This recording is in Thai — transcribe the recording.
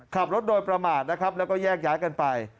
ขับรถโดยประมาทนะครับแล้วก็แยกย้ายกันไป